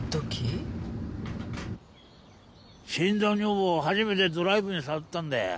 死んだ女房を初めてドライブに誘ったんだよ。